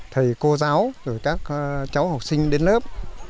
thầy cô giáo các cháu học sinh đến lớp